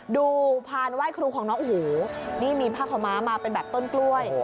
พานไหว้ครูของน้องโอ้โหนี่มีผ้าขาวม้ามาเป็นแบบต้นกล้วย